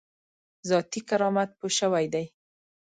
ذاتي کرامت پوه شوی دی.